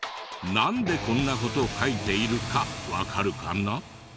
なんでこんな事書いているかわかるかな？